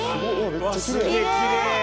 うわすげえきれい！